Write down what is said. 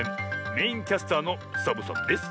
メインキャスターのサボさんです！